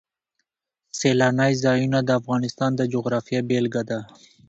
سیلانی ځایونه د افغانستان د جغرافیې بېلګه ده.